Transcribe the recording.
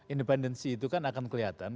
independensi itu kan akan kelihatan